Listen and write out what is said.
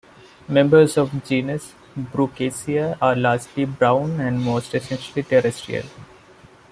Members of the genus "Brookesia" are largely brown and most are essentially terrestrial.